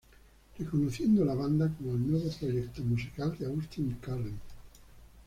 Reconociendo la banda como el nuevo proyecto musical de Austin Carlile.